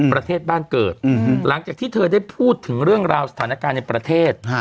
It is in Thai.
ประเทศบ้านเกิดหลังจากที่เธอได้พูดถึงเรื่องราวสถานการณ์ในประเทศ